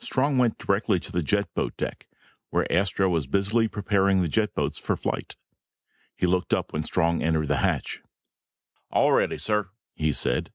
Strong went directly to the jet boat deck where Astro was busily preparing the jet boats for flight. He looked up when Strong entered the hatch. "All ready, sir," he said.